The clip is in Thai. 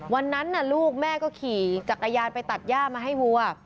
วันนั้นลูกแม่ก็ขี่จักรยานไปตัดย่ามาให้วัว